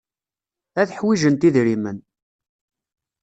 Ad ḥwijent idrimen.